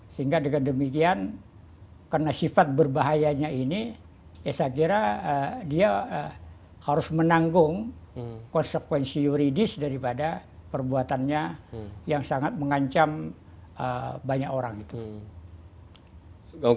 sehingga dengan demikian karena sifat berbahayanya ini ya saya kira dia harus menanggung konsekuensi yuridis daripada perbuatannya yang sangat mengancam banyak orang itu